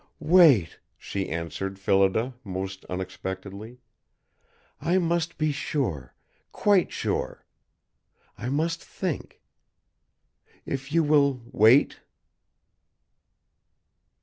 "Wait," she answered Phillida, most unexpectedly. "I must be sure quite sure! I must think. If you will wait."